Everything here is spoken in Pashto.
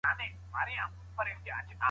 بهرنۍ تګلاره بې له همږغۍ څخه نه عملي کيږي.